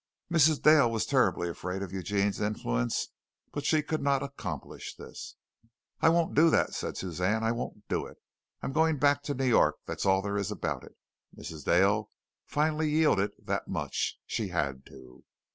Mrs. Dale was terribly afraid of Eugene's influence, but she could not accomplish this. "I won't do that," said Suzanne, "I won't do it. I'm going back to New York, that's all there is about it!" Mrs. Dale finally yielded that much. She had to.